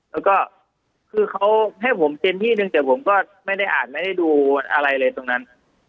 แล้วก็คือเขาให้ผมเซ็นที่หนึ่งแต่ผมก็ไม่ได้อ่านไม่ได้ดูอะไรเลยตรงนั้น